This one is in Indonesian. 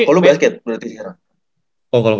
koko lu basket berarti sekarang